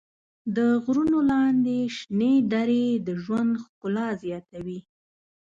د غرونو لاندې شنې درې د ژوند ښکلا زیاتوي.